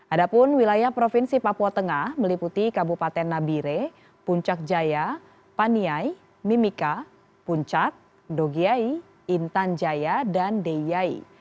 ada pun wilayah provinsi papua tengah meliputi kabupaten nabire puncak jaya paniai mimika puncak dogiai intan jaya dan deyai